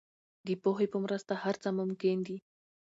د پوهې په مرسته هر څه ممکن دي.